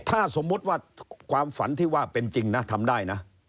ถ้าสมมุติว่าความฝันที่ว่าเป็นจริงนะทำได้นะ